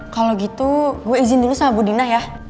kalau gitu gue izin dulu sama bu dina ya